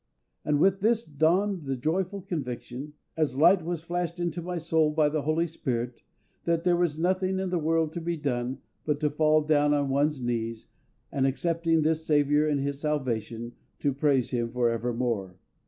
And with this dawned the joyful conviction, as light was flashed into my soul by the HOLY SPIRIT, that there was nothing in the world to be done but to fall down on one's knees, and accepting this SAVIOUR and His salvation, to praise Him for evermore.